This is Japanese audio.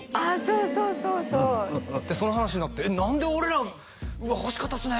そうそうそうそうでその話になって「えっ何で俺らうわ欲しかったっすね」